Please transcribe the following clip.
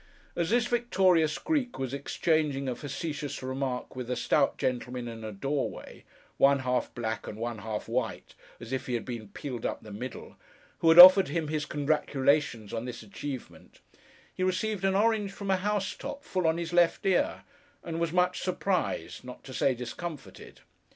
As this victorious Greek was exchanging a facetious remark with a stout gentleman in a doorway—one half black and one half white, as if he had been peeled up the middle—who had offered him his congratulations on this achievement, he received an orange from a housetop, full on his left ear, and was much surprised, not to say discomfited.